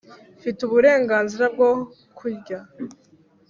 mfite uburenganzira bwo kurya